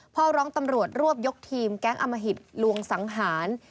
พ่อร้องตำรวจรวบยกทีมแก๊งอมหิตลวงสังหาร